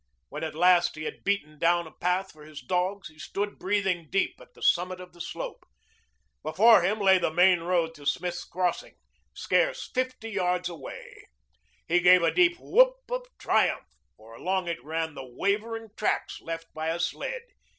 When at last he had beaten down a path for his dogs he stood breathing deep at the summit of the slope. Before him lay the main road to Smith's Crossing, scarce fifty yards away. He gave a deep whoop of triumph, for along it ran the wavering tracks left by a sled.